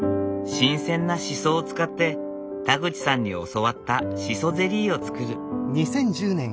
新鮮なシソを使って田口さんに教わったシソゼリーを作る。